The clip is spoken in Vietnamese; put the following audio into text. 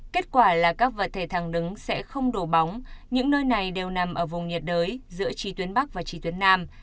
kết quả là các vật thể thẳng đứng sẽ không đổ bóng những nơi này đều nằm ở vùng nhiệt đới giữa trí tuyến bắc và trí tuyến nam